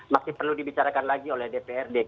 masih perlu dibicarakan lagi oleh dpr dki